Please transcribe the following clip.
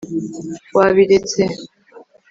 wabiretse